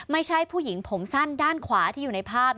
ไม่ใช่ผู้หญิงผมสั้นด้านขวาที่อยู่ในภาพ